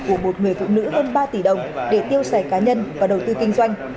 của một người phụ nữ hơn ba tỷ đồng để tiêu sẻ cá nhân và đầu tư kinh doanh